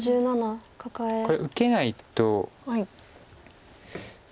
これ受けないと。